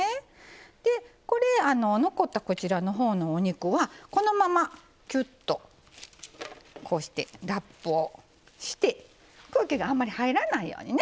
でこれ残ったこちらのほうのお肉はこのままキュッとこうしてラップをして空気があんまり入らないようにね